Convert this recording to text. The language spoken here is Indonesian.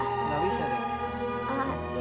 gak bisa deh